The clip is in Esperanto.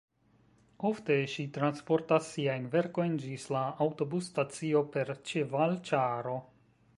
Ofte ŝi transportas siajn verkojn ĝis la aŭtobus-stacio per ĉevalĉaro.